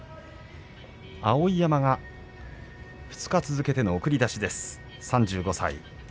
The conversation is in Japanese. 碧山、２日続けての送り出し、３５歳。